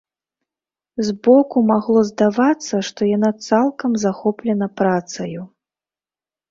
Збоку магло здавацца, што яна цалкам захоплена працаю.